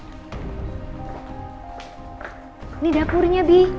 ini dapurnya bi